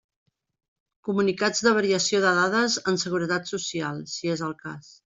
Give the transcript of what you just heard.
Comunicats de variació de dades en Seguretat Social, si és el cas.